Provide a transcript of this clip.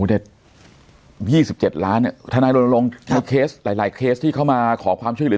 อเจมส์ยี่สิบเจ็ดล้านทนายโรนโรงหลายเคสที่เขามาขอความช่วยหรือ